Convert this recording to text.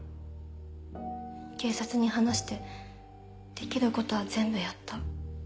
警察に話してできることは全部やった。